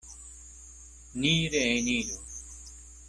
Ni reeniru.